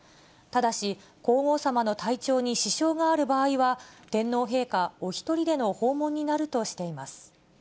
ただし、皇后さまの体調に支障がある場合は、天皇陛下お１人での訪問になるとしています。